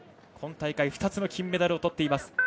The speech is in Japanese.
今大会２つの金メダルをとっています。